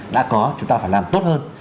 đã có chúng ta phải làm tốt hơn